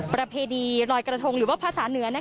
ประเพณีลอยกระทงหรือว่าภาษาเหนือ